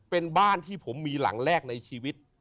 เป็นบ้านที่ผมมีหลังแรกในชีวิต